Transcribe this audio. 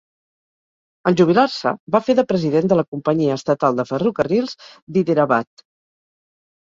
En jubilar-se, va fer de president de la companyia estatal de ferrocarrils d'Hyderabad.